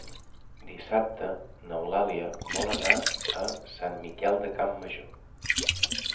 Dissabte n'Eulàlia vol anar a Sant Miquel de Campmajor.